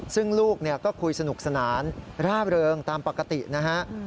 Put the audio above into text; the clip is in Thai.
ซึ่งลูกก็คุยสนุกสนานร่าเริงตามปกตินะฮะ